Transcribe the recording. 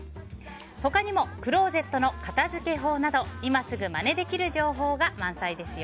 他にもクローゼットの片付け法など今すぐまねできる情報が満載です。